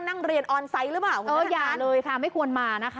นั่งเรียนออนไซต์หรือเปล่าอย่าเลยค่ะไม่ควรมานะคะ